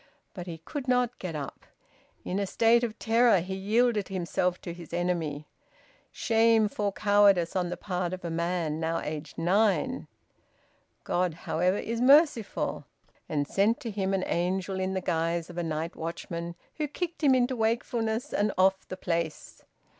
But he could not get up. In a state of terror he yielded himself to his enemy. Shameful cowardice on the part of a man now aged nine! God, however, is merciful, and sent to him an angel in the guise of a night watchman, who kicked him into wakefulness and off the place.